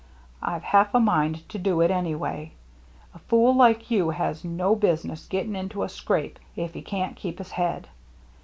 I've half a mind to do it anyway. A fool like you has no business getting into a scrape if he can't keep his head.